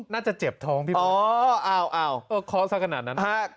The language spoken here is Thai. น่าจะเจ็บท้องพี่เพื่อนขอสักขนาดนั้นนะครับอ๋ออ้าว